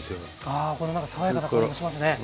あこのなんか爽やかな香りもしますね。